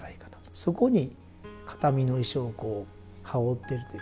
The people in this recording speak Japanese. そこに形見の衣装をこう羽織ってるという。